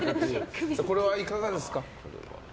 これはいかがですか？